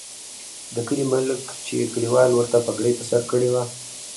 د کلي ملک چې کلیوالو ورته پګړۍ په سر کړې وه.